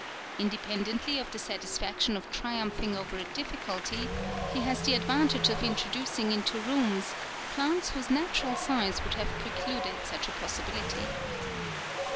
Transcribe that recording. Independently of the satisfaction of triumphing over a difficulty, he has the advantage of introducing into rooms plants whose natural size would have precluded such a possibility.